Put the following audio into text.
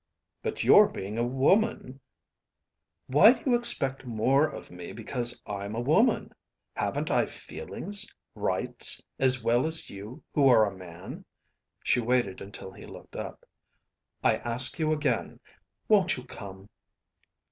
"But your being a woman " "Why do you expect more of me because I'm a woman? Haven't I feelings, rights, as well as you who are a man?" She waited until he looked up. "I ask you again, won't you come?"